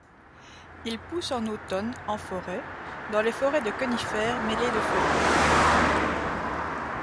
Il pousse en automne, en forêt, dans les forêts de conifères, mêlées de feuillus.